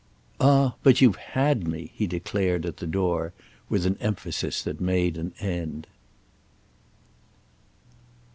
"Ah but you've had me!" he declared, at the door, with an emphasis that made an end.